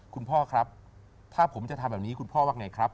คุณพ่อครับถ้าผมจะทำแบบนี้คุณพ่อว่าไงครับ